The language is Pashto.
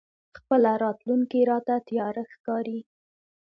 خپله راتلونکې راته تياره ښکاري.